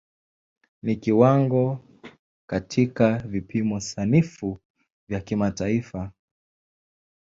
Ni kiwango katika vipimo sanifu vya kimataifa.